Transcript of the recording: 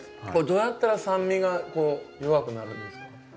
これどうやったら酸味がこう弱くなるんですか？